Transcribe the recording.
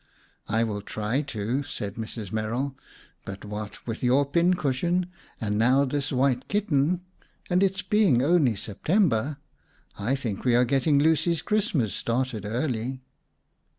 "I will try to," said Mrs. Merrill. "But what with your pincushion and now this white kitten, and its being only September, I think we are getting Lucy's Christmas started early."